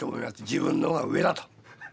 自分の方が上だと。